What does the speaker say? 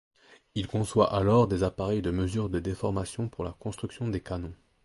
Il conçoit alors des appareils de mesure de déformation pour la construction des canons.